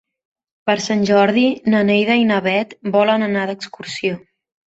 Per Sant Jordi na Neida i na Bet volen anar d'excursió.